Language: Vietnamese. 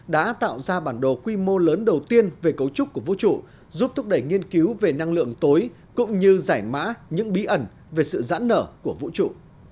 đã tạo ra bản đồ quy mô lớn đầu tiên về cấu trúc của vũ trụ giúp thúc đẩy nghiên cứu về năng lượng tối cũng như giải mã những bí ẩn về sự giãn nở của vũ trụ